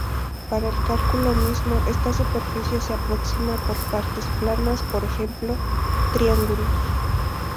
Para el cálculo mismo esta superficie se aproxima por partes planas, por ejemplo triángulos.